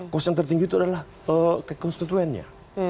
cost yang tertinggi itu adalah kekonstituennya